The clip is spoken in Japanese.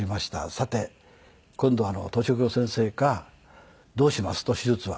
さて今度は当直の先生が「どうします？」と手術は。